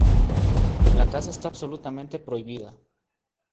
La caza está absolutamente prohibida.